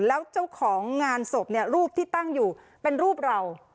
แล้วเจ้าของงานศพเนี่ยรูปที่ตั้งอยู่เป็นรูปเรา